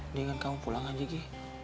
ini inget kamu pulang aja gi